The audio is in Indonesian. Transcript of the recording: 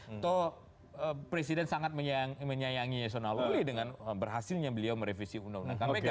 atau presiden sangat menyayangi yeson aluli dengan berhasilnya beliau merevisi undang undang